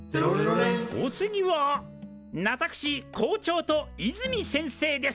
お次は私校長とイズミ先生です！